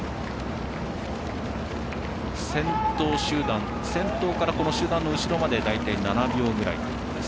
先頭集団、先頭からこの集団の後ろまで大体７秒ぐらいということです。